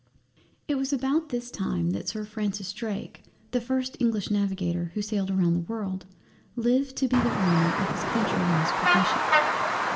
It was about this time that Sir Francis Drake the first English Navigator who sailed round the World, lived, to be the ornament of his Country and his profession.